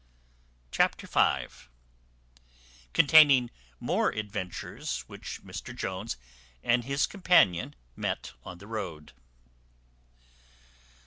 Chapter v. Containing more adventures which Mr Jones and his companion met on the road.